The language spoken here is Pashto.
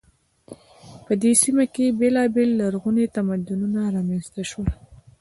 په دې سیمه کې بیلابیل لرغوني تمدنونه رامنځته شول.